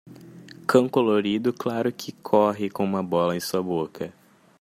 Cão colorido claro que corre com uma bola em sua boca.